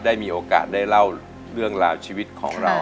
ได้มีโอกาสได้เล่าเรื่องราวชีวิตของเรา